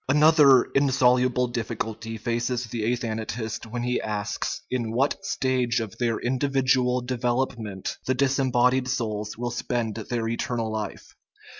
Another insoluble difficulty faces the athanatist when he asks in what stage of their individual develop ment the disembodied souls will spend their eternal life.